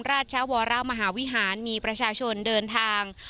ราชวรมหาวิหารมีประชาชนเดินทาง